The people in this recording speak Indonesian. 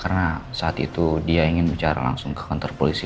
karena saat itu dia ingin bicara langsung ke kantor polisi